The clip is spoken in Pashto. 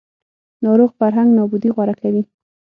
ناروغ فرهنګ نابودي غوره کوي